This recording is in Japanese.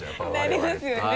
なりますよね。